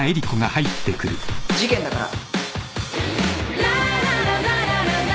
事件だから。